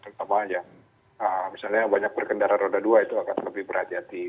terutama yang misalnya banyak berkendara roda dua itu akan lebih berhati hati